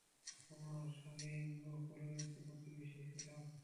আমরা রেইনবো কলোনিতে প্রতিবেশী ছিলাম।